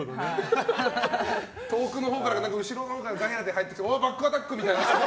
遠くの後ろのほうからガヤで入ってきてうわー、バックアタック！みたいな。